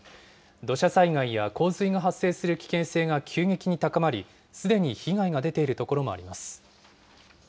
土砂災害や洪水が発生する危険性が急激に高まり、すでに被害が出ている所もあります。